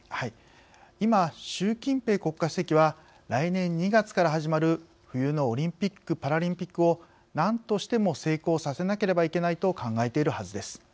今、習近平国家主席は来年２月から始まる冬のオリンピック・パラリンピックを何としても成功させなければいけないと考えているはずです。